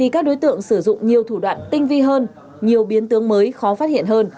cũng sử dụng nhiều thủ đoạn tinh vi hơn nhiều biến tướng mới khó phát hiện hơn